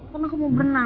karena aku mau berenang